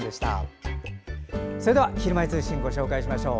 それでは、「ひるまえ通信」ご紹介しましょう。